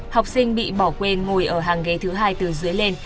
học sinh bị bỏ quê ngồi ở hàng ghế thứ hai từ dưới lên